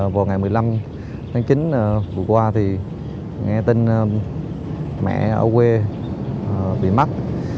vào ngày một mươi năm tháng chín vừa qua thì nghe tin mẹ ở quê bị mắc